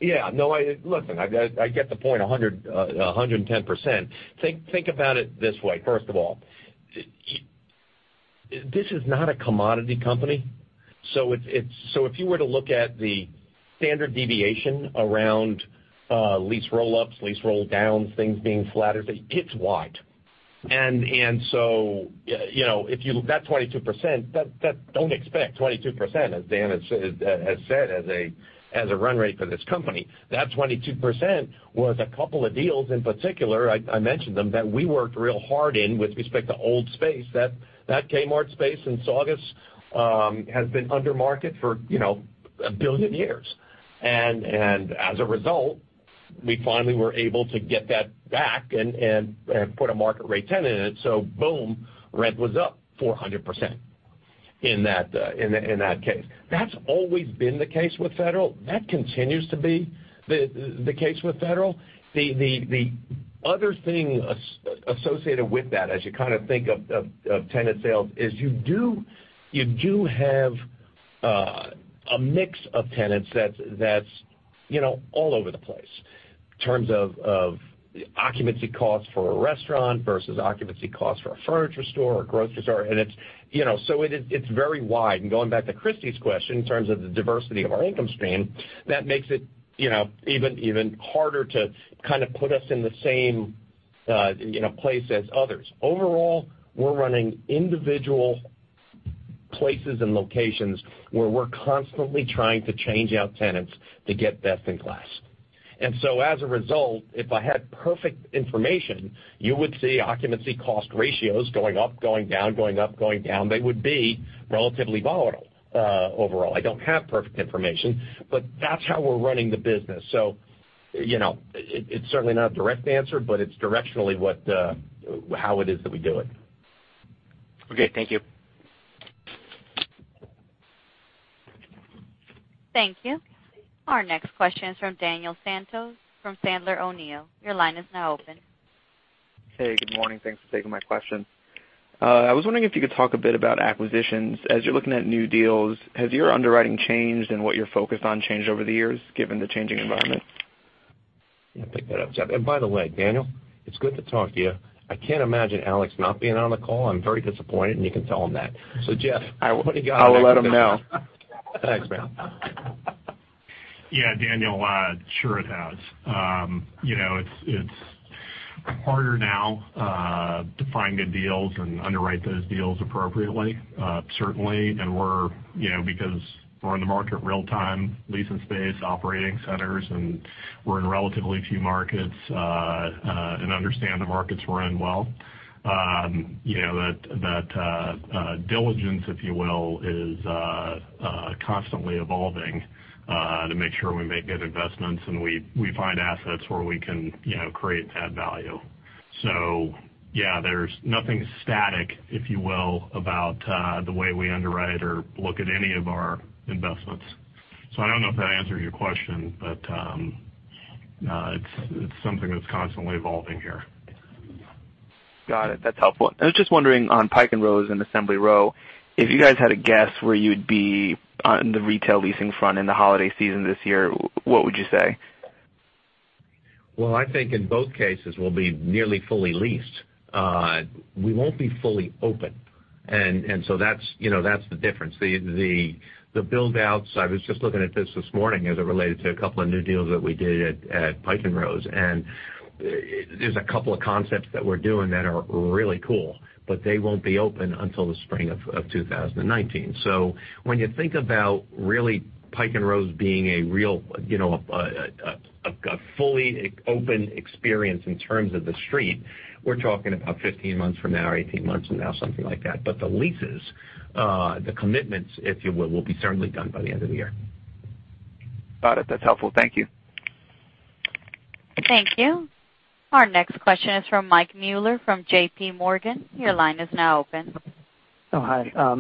Yeah. No. Look, I get the point 110%. Think about it this way, first of all. This is not a commodity company, if you were to look at the standard deviation around lease roll-ups, lease roll-downs, things being flattered, it's wide. That 22%, don't expect 22%, as Dan has said, as a run rate for this company. That 22% was a couple of deals in particular, I mentioned them, that we worked real hard in with respect to old space. That Kmart space in Saugus, has been under market for a billion years, and as a result, we finally were able to get that back and put a market rate tenant in it. Boom, rent was up 400%. In that case. That's always been the case with Federal. That continues to be the case with Federal. The other thing associated with that, as you kind of think of tenant sales, is you do have a mix of tenants that's all over the place in terms of occupancy costs for a restaurant versus occupancy costs for a furniture store or a grocery store. It's very wide. Going back to Christy's question, in terms of the diversity of our income stream, that makes it even harder to kind of put us in the same place as others. Overall, we're running individual places and locations where we're constantly trying to change out tenants to get best in class. As a result, if I had perfect information, you would see occupancy cost ratios going up, going down, going up, going down. They would be relatively volatile overall. I don't have perfect information, but that's how we're running the business. It's certainly not a direct answer, but it's directionally how it is that we do it. Okay. Thank you. Thank you. Our next question is from Daniel Santos from Sandler O'Neill. Your line is now open. Hey, good morning. Thanks for taking my question. I was wondering if you could talk a bit about acquisitions. As you're looking at new deals, has your underwriting changed and what you're focused on changed over the years, given the changing environment? Yeah, pick that up, Jeff. By the way, Daniel, it's good to talk to you. I can't imagine Alex not being on the call. I'm very disappointed, and you can tell him that. Jeff. I'll let him know. Thanks, man. Yeah. Daniel, sure it has. It's harder now to find good deals and underwrite those deals appropriately. Certainly, because we're in the market real-time, leasing space, operating centers, and we're in relatively few markets, and understand the markets we're in well. That diligence, if you will, is constantly evolving to make sure we make good investments and we find assets where we can create add value. Yeah, there's nothing static, if you will, about the way we underwrite or look at any of our investments. I don't know if that answers your question, but it's something that's constantly evolving here. Got it. That's helpful. I was just wondering on Pike & Rose and Assembly Row, if you guys had a guess where you'd be on the retail leasing front in the holiday season this year, what would you say? Well, I think in both cases, we'll be nearly fully leased. We won't be fully open. That's the difference. The build-outs, I was just looking at this this morning as it related to a couple of new deals that we did at Pike & Rose, and there's a couple of concepts that we're doing that are really cool, but they won't be open until the spring of 2019. When you think about really Pike & Rose being a fully open experience in terms of the street, we're talking about 15 months from now, 18 months from now, something like that. The leases, the commitments, if you will be certainly done by the end of the year. Got it. That's helpful. Thank you. Thank you. Our next question is from Mike Mueller from JPMorgan. Your line is now open. Hi. I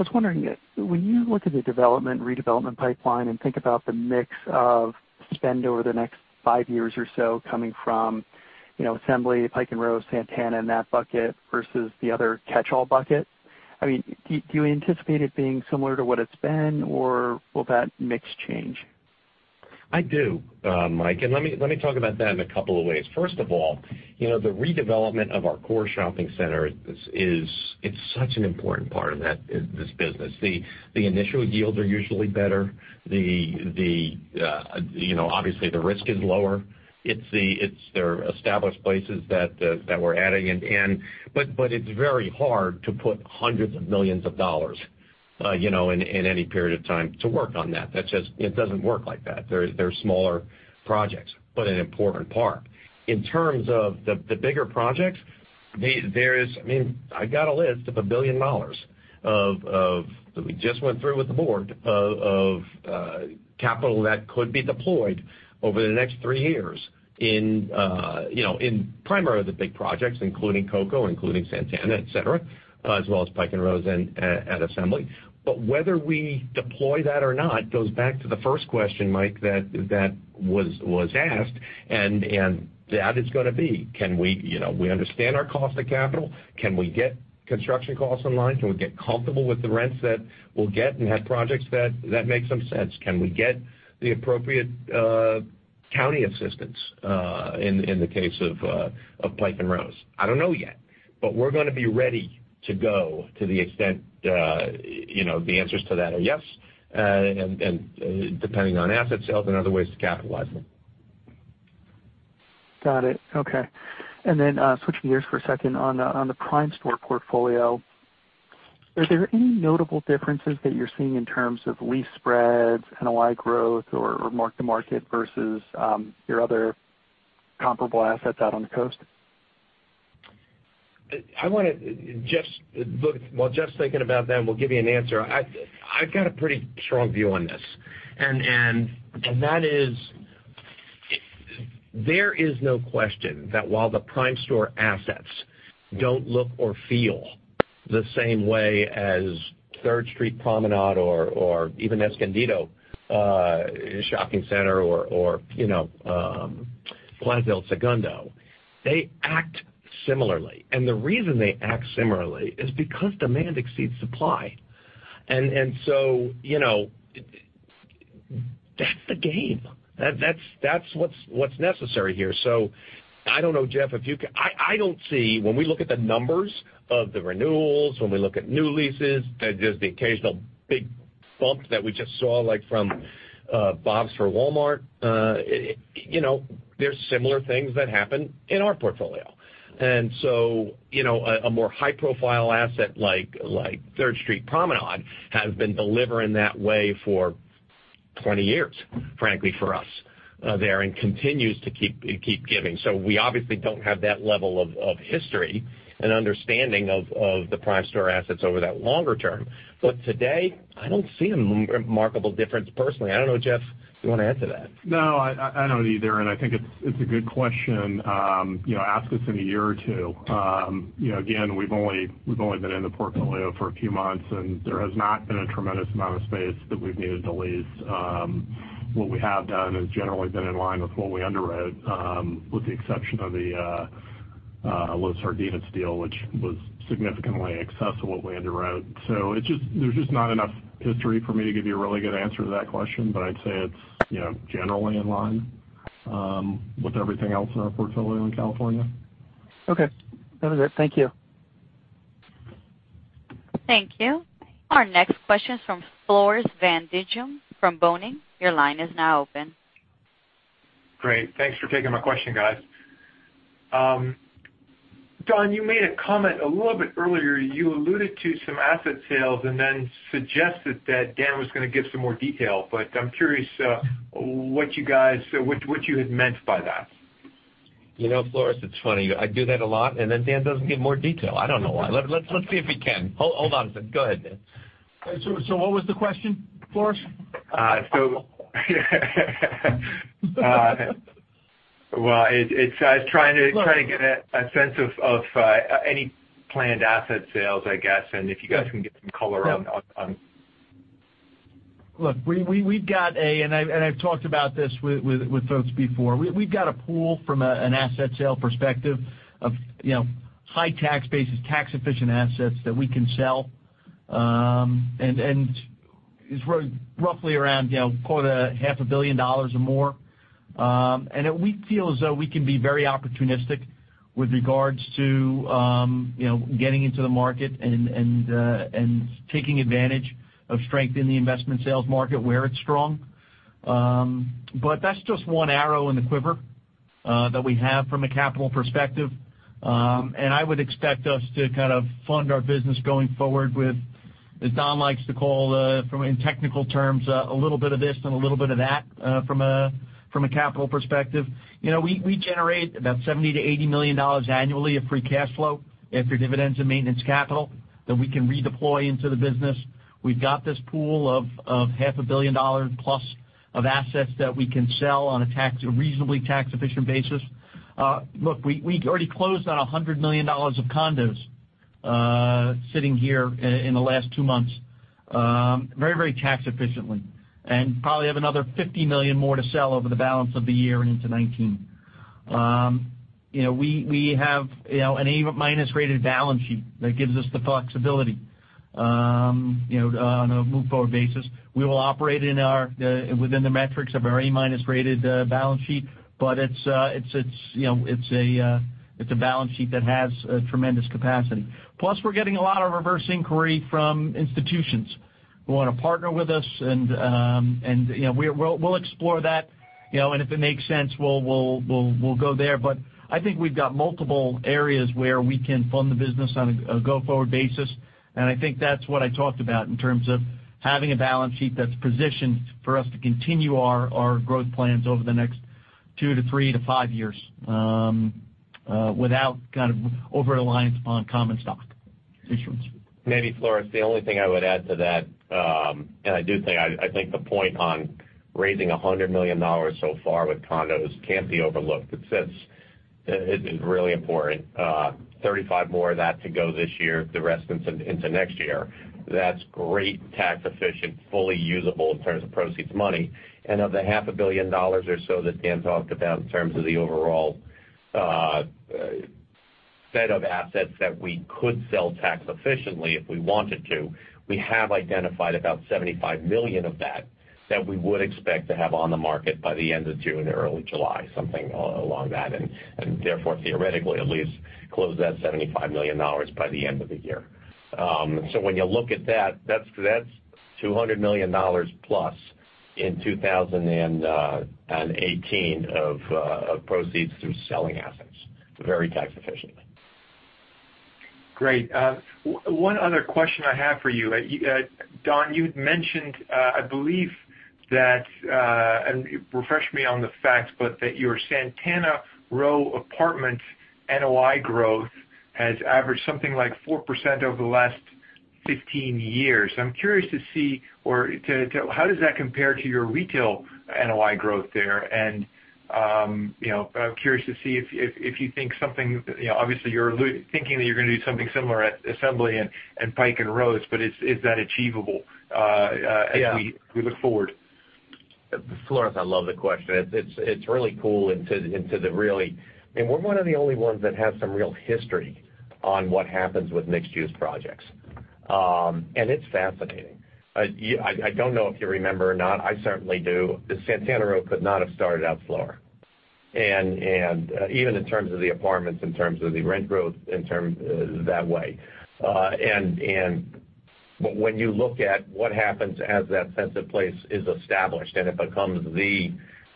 was wondering, when you look at the development, redevelopment pipeline and think about the mix of spend over the next five years or so coming from Assembly, Pike & Rose, Santana, and that bucket versus the other catchall bucket, do you anticipate it being similar to what it's been or will that mix change? I do, Mike. Let me talk about that in a couple of ways. First of all, the redevelopment of our core shopping center, it's such an important part of this business. The initial yields are usually better. Obviously, the risk is lower. They're established places that we're adding in. It's very hard to put hundreds of millions of dollars in any period of time to work on that. It doesn't work like that. They're smaller projects, but an important part. In terms of the bigger projects, I got a list of $1 billion that we just went through with the board of capital that could be deployed over the next three years in primarily the big projects, including CocoWalk, including Santana, et cetera, as well as Pike & Rose and Assembly. Whether we deploy that or not goes back to the first question, Mike, that was asked, and that is going to be, we understand our cost of capital. Can we get construction costs in line? Can we get comfortable with the rents that we'll get and have projects that makes some sense? Can we get the appropriate county assistance in the case of Pike & Rose? I don't know yet, but we're going to be ready to go to the extent the answers to that are yes, and depending on asset sales and other ways to capitalize them. Got it. Okay. Switching gears for a second, on the Primestor portfolio, are there any notable differences that you're seeing in terms of lease spreads, NOI growth, or mark-to-market versus your other comparable assets out on the coast? While Jeff's thinking about that, we'll give you an answer. I've got a pretty strong view on this, that is There is no question that while the Primestor assets don't look or feel the same way as Third Street Promenade or even Escondido Promenade or Plaza El Segundo, they act similarly. The reason they act similarly is because demand exceeds supply. That's the game. That's what's necessary here. I don't know, Jeff, if you can I don't see, when we look at the numbers of the renewals, when we look at new leases, there's just the occasional big bump that we just saw, like from Bob's for Walmart. There's similar things that happen in our portfolio. A more high-profile asset like Third Street Promenade, has been delivering that way for 20 years, frankly, for us there, and continues to keep giving. We obviously don't have that level of history and understanding of the Primestor assets over that longer term. Today, I don't see a remarkable difference personally. I don't know, Jeff, if you want to add to that. No, I don't either. I think it's a good question. Ask us in a year or two. Again, we've only been in the portfolio for a few months, there has not been a tremendous amount of space that we've needed to lease. What we have done has generally been in line with what we underwrote, with the exception of the Los Jardines deal, which was significantly excess of what we underwrote. There's just not enough history for me to give you a really good answer to that question, I'd say it's generally in line with everything else in our portfolio in California. Okay. That was it. Thank you. Thank you. Our next question is from Floris van Dijkum from Boenning. Your line is now open. Great. Thanks for taking my question, guys. Don, you made a comment a little bit earlier. You alluded to some asset sales. Then suggested that Dan was going to give some more detail, but I'm curious what you had meant by that. Floris, it's funny. I do that a lot. Then Dan doesn't give more detail. I don't know why. Let's see if he can. Hold on. Go ahead, Dan. What was the question, Floris? Well, I was trying to- Look- get a sense of any planned asset sales, I guess, and if you guys can get some color on- I've talked about this with folks before. We've got a pool from an asset sale perspective of high tax basis, tax-efficient assets that we can sell. It's roughly around call it a half a billion dollars or more. We feel as though we can be very opportunistic with regards to getting into the market and taking advantage of strength in the investment sales market where it's strong. That's just one arrow in the quiver that we have from a capital perspective. I would expect us to kind of fund our business going forward with, as Don likes to call in technical terms, a little bit of this and a little bit of that from a capital perspective. We generate about $70 million-$80 million annually of free cash flow after dividends and maintenance capital that we can redeploy into the business. We've got this pool of half a billion dollars plus of assets that we can sell on a reasonably tax-efficient basis. Look, we already closed on $100 million of condos sitting here in the last two months, very tax efficiently. Probably have another $50 million more to sell over the balance of the year and into 2019. We have an A-minus-rated balance sheet that gives us the flexibility on a move-forward basis. We will operate within the metrics of our A-minus-rated balance sheet, but it's a balance sheet that has a tremendous capacity. Plus, we're getting a lot of reverse inquiry from institutions who want to partner with us. If it makes sense, we'll go there. I think we've got multiple areas where we can fund the business on a go-forward basis. I think that's what I talked about in terms of having a balance sheet that's positioned for us to continue our growth plans over the next two to three to five years without kind of over-reliance on common stock issuance. Maybe, Floris, the only thing I would add to that, and I do think the point on raising $100 million so far with condos can't be overlooked. It's really important. 35 more of that to go this year, the rest into next year. That's great, tax-efficient, fully usable in terms of proceeds money. Of the half a billion dollars or so that Dan talked about in terms of the overall set of assets that we could sell tax efficiently if we wanted to, we have identified about $75 million of that we would expect to have on the market by the end of June or early July, something along that, and therefore, theoretically, at least close that $75 million by the end of the year. When you look at that's $200 million-plus in 2018 of proceeds through selling assets very tax efficiently. Great. One other question I have for you. Don, you'd mentioned, I believe that, and refresh me on the facts, that your Santana Row apartment NOI growth has averaged something like 4% over the last 15 years. I'm curious to see, how does that compare to your retail NOI growth there? I'm curious to see if you think something. Obviously, you're thinking that you're going to do something similar at Assembly and Pike & Rose, is that achievable? Yeah as we look forward? Floris, I love the question. We're one of the only ones that has some real history on what happens with mixed-use projects. It's fascinating. I don't know if you remember or not, I certainly do, the Santana Row could not have started out slower. Even in terms of the apartments, in terms of the rent growth, in terms that way. When you look at what happens as that sense of place is established, and it becomes the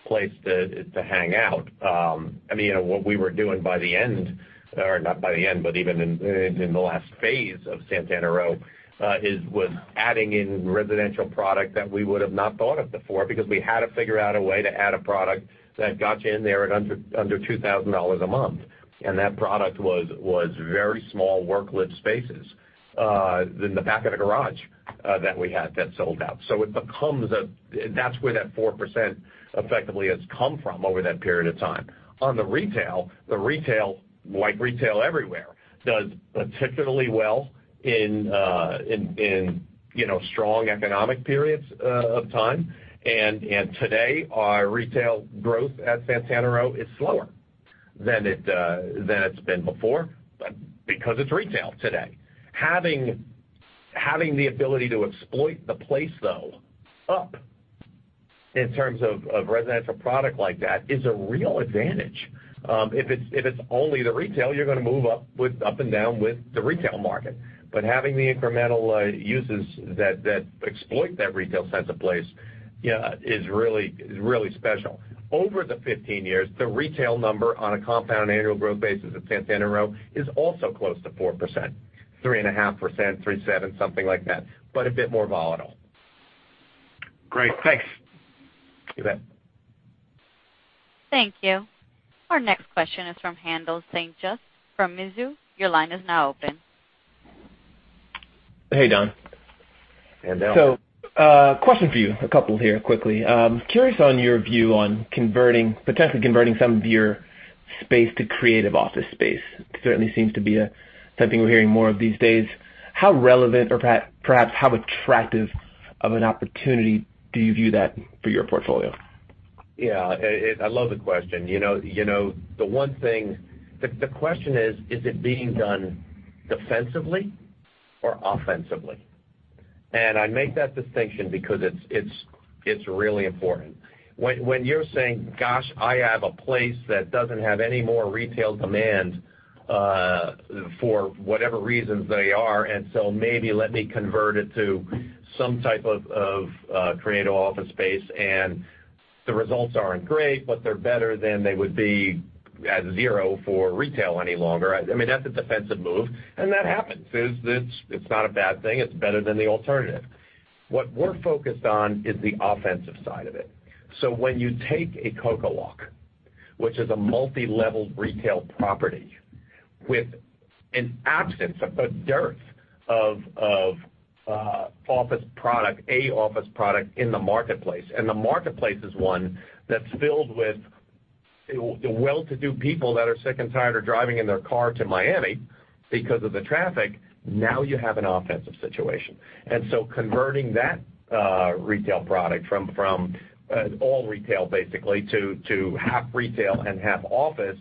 place to hang out. I mean, what we were doing by the end, or not by the end, but even in the last phase of Santana Row, was adding in residential product that we would've not thought of before, because we had to figure out a way to add a product that got you in there at under $2,000 a month. That product was very small work-live spaces, in the back of the garage, that we had that sold out. That's where that 4% effectively has come from over that period of time. On the retail, the retail, like retail everywhere, does particularly well in strong economic periods of time. Today, our retail growth at Santana Row is slower than it's been before, but because it's retail today. Having the ability to exploit the place though, up, in terms of residential product like that, is a real advantage. If it's only the retail, you're going to move up and down with the retail market. Having the incremental uses that exploit that retail sense of place is really special. Over the 15 years, the retail number on a compound annual growth basis at Santana Row is also close to 4%, 3.5%, 3.7%, something like that, a bit more volatile. Great. Thanks. You bet. Thank you. Our next question is from Haendel St. Juste from Mizuho. Your line is now open. Hey, Don. Handel. Question for you, a couple here quickly. Curious on your view on potentially converting some of your space to creative office space. Certainly seems to be something we're hearing more of these days. How relevant, or perhaps how attractive of an opportunity do you view that for your portfolio? Yeah. I love the question. The question is it being done defensively or offensively? I make that distinction because it's really important. When you're saying, gosh, I have a place that doesn't have any more retail demand, for whatever reasons they are. Maybe let me convert it to some type of creative office space, and the results aren't great, but they're better than they would be at zero for retail any longer. I mean, that's a defensive move, and that happens. It's not a bad thing. It's better than the alternative. What we're focused on is the offensive side of it. When you take a CocoWalk, which is a multi-level retail property with an absence, a dearth of office product, an office product in the marketplace, the marketplace is one that's filled with the well-to-do people that are sick and tired of driving in their car to Miami because of the traffic, now you have an offensive situation. Converting that retail product from all retail basically to half retail and half office,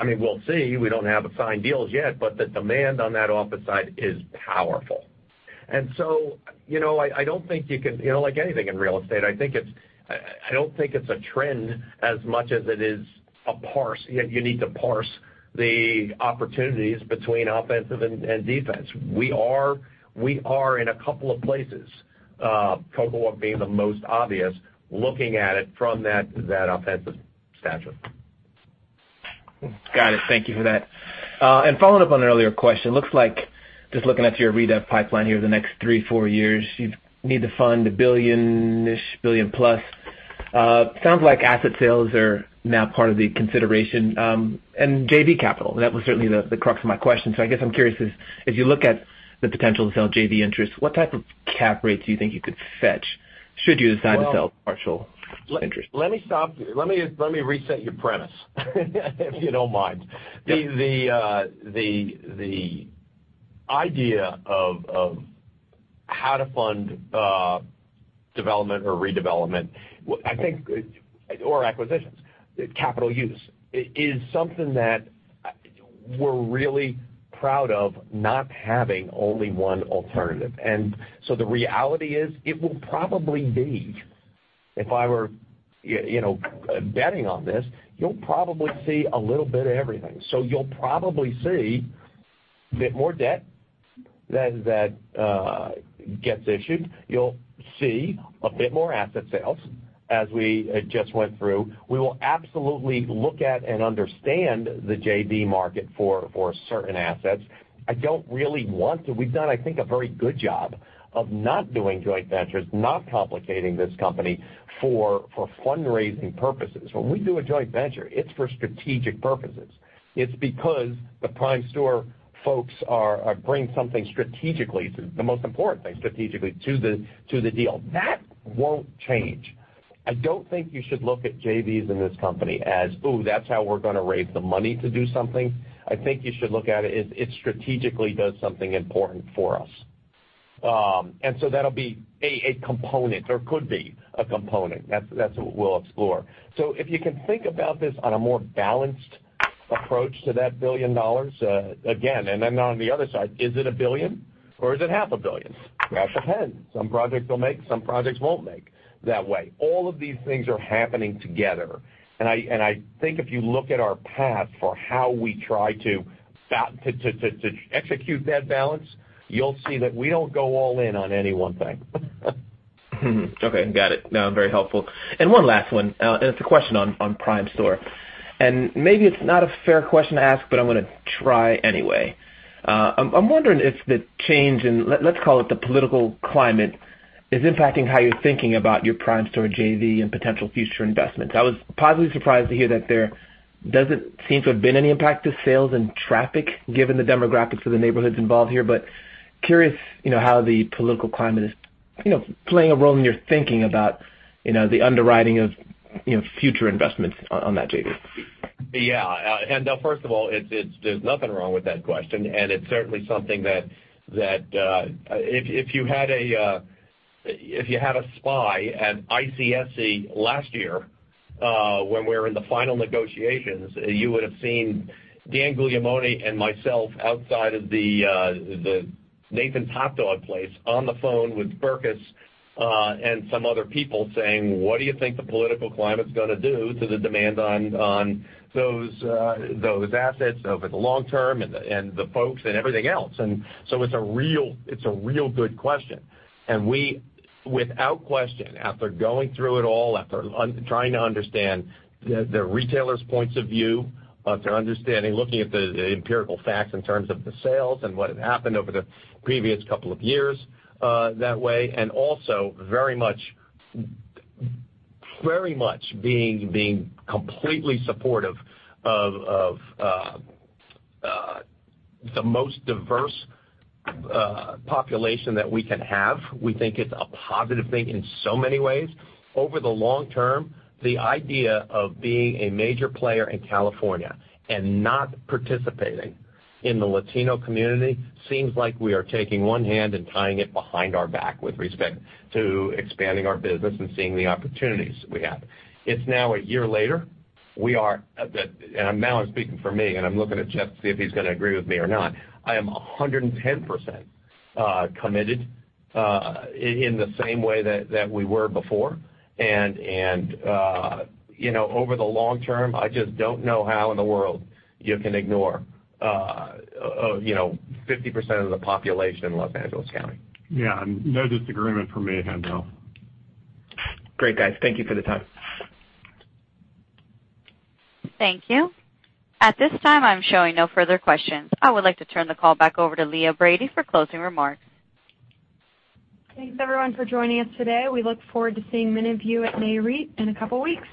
I mean, we'll see. We don't have signed deals yet, but the demand on that office side is powerful. Like anything in real estate, I don't think it's a trend as much as it is a parse, you need to parse the opportunities between offensive and defense. We are in a couple of places, CocoWalk being the most obvious, looking at it from that offensive stature. Got it. Thank you for that. Following up on an earlier question, looks like just looking at your redev pipeline here the next three, four years, you need to fund a billion-ish, billion-plus. Sounds like asset sales are now part of the consideration, and JV capital. That was certainly the crux of my question. I guess I'm curious, if you look at the potential to sell JV interests, what type of cap rates do you think you could fetch should you decide to sell partial interest? Let me stop you. Let me reset your premise, if you don't mind. Yeah. The idea of how to fund development or redevelopment, or acquisitions, capital use, is something that we're really proud of not having only one alternative. The reality is, it will probably be, if I were betting on this, you'll probably see a little bit of everything. You'll probably see a bit more debt that gets issued. You'll see a bit more asset sales as we just went through. We will absolutely look at and understand the JV market for certain assets. We've done, I think, a very good job of not doing joint ventures, not complicating this company for fundraising purposes. When we do a joint venture, it's for strategic purposes. It's because the Primestor folks bring something strategically, the most important thing, strategically to the deal. That won't change. I don't think you should look at JVs in this company as, ooh, that's how we're going to raise the money to do something. I think you should look at it strategically does something important for us. That'll be a component or could be a component. That's what we'll explore. If you can think about this on a more balanced approach to that $1 billion, again, and then on the other side, is it a billion or is it half a billion? Scratch our head. Some projects will make, some projects won't make that way. All of these things are happening together. I think if you look at our path for how we try to execute that balance, you'll see that we don't go all in on any one thing. Okay. Got it. No, very helpful. One last one, and it's a question on Primestor. Maybe it's not a fair question to ask, but I'm going to try anyway. I'm wondering if the change in, let's call it the political climate, is impacting how you're thinking about your Primestor JV and potential future investments. I was positively surprised to hear that there doesn't seem to have been any impact to sales and traffic, given the demographics of the neighborhoods involved here, but curious how the political climate is playing a role in your thinking about the underwriting of future investments on that JV. Yeah. First of all, there's nothing wrong with that question. It's certainly something that, if you had a spy at ICSC last year, when we were in the final negotiations, you would've seen Dan Guglielmone and myself outside of the Nathan's Hot Dog place on the phone with Berkes, and some other people saying, "What do you think the political climate's going to do to the demand on those assets over the long term and the folks and everything else?" It's a real good question. We, without question, after going through it all, after trying to understand the retailers' points of view, after understanding, looking at the empirical facts in terms of the sales and what had happened over the previous couple of years, that way, and also very much being completely supportive of the most diverse population that we can have. We think it's a positive thing in so many ways. Over the long term, the idea of being a major player in California and not participating in the Latino community seems like we are taking one hand and tying it behind our back with respect to expanding our business and seeing the opportunities we have. It's now a year later. Now I'm speaking for me, and I'm looking at Jeff to see if he's going to agree with me or not. I am 110% committed, in the same way that we were before. Over the long term, I just don't know how in the world you can ignore 50% of the population in Los Angeles County. Yeah. No disagreement from me, Haendel. Great, guys. Thank you for the time. Thank you. At this time, I'm showing no further questions. I would like to turn the call back over to Leah Brady for closing remarks. Thanks, everyone, for joining us today. We look forward to seeing many of you at Nareit in a couple of weeks.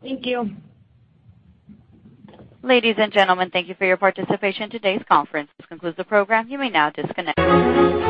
Thank you. Ladies and gentlemen, thank you for your participation in today's conference. This concludes the program. You may now disconnect.